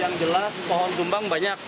yang jelas pohon tumbang banyak